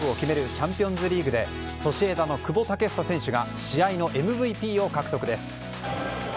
チャンピオンズリーグでソシエダの久保建英選手が試合のＭＶＰを獲得です。